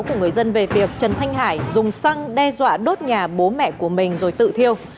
của người dân về việc trần thanh hải dùng xăng đe dọa đốt nhà bố mẹ của mình rồi tự thiêu